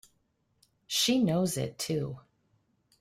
She knows it too!